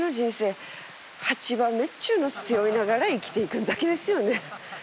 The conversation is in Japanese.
８番目っちゅうの背負いながら生きていくんだけですよね。